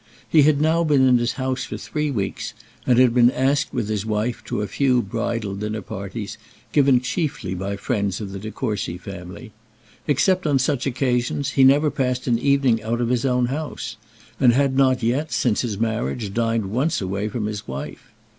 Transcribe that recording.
He had now been in his house for three weeks, and had been asked with his wife to a few bridal dinner parties, given chiefly by friends of the De Courcy family. Except on such occasions he never passed an evening out of his own house, and had not yet, since his marriage, dined once away from his wife.